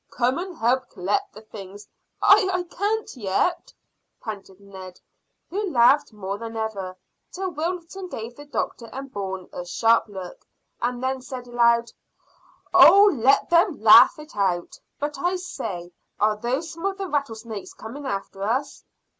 "Come and help collect the things." "I I can't yet," panted Ned, who laughed more than ever, till Wilton gave the doctor and Bourne a sharp look, and then said aloud "Oh, let them laugh it out; but I say, are those some of the rattlesnakes coming after us?"